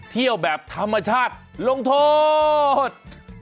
เที่ยวแบบธรรมชาติลงโทษ